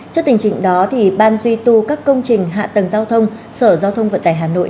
trước tình trạng đó ban duy tu các công trình hạ tầng giao thông sở giao thông vận tải hà nội